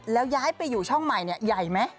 แล้วย้ายไปอยู่ช่องใหม่ใหญ่ไหม